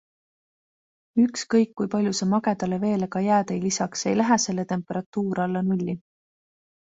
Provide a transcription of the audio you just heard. Ükskõik, kui palju sa magedale veele ka jääd ei lisaks, ei lähe selle temperatuur alla nulli.